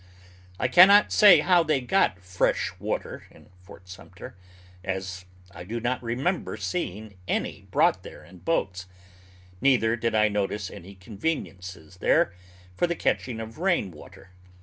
I cannot say how they got fresh water in Fort Sumter, as I do not remember seeing any brought there in boats, neither did I notice any conveniences there for the catching of rain water.